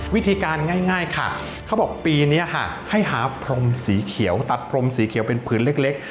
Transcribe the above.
วิธีการง่ายค่ะเขาบอกปีนี้ค่ะให้หาพรมสีเขียวตัดพรมสีเขียวเป็นผืนเล็ก